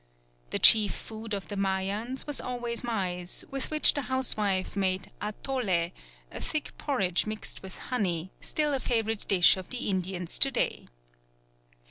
The chief food of the Mayans was always maize, with which the housewife made atole, a thick porridge mixed with honey, still a favourite dish of the Indians to day.